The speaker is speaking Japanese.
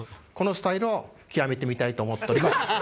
このスタイルを極めてみたいと思っております。